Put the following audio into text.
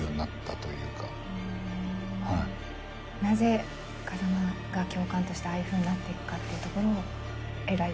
なぜ風間が教官としてああいうふうになっていくかっていうところを描いていくと。